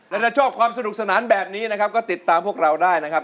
และถ้าชอบความสนุกสนานแบบนี้นะครับก็ติดตามพวกเราได้นะครับ